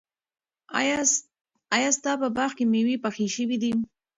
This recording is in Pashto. ایا ستا په باغ کې مېوې پخې شوي دي؟